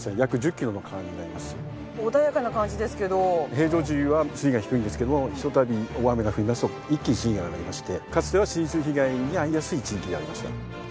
平常時は水位が低いんですけどもひとたび大雨が降り出すと一気に水位が上がりましてかつては浸水被害に遭いやすい地域でありました。